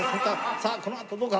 さあこのあとどうか？